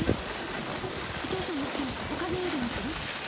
お父さんの好きなおかめうどんにする？